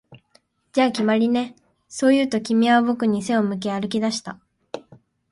「じゃあ、決まりね」、そう言うと、君は僕に背を向け歩き出した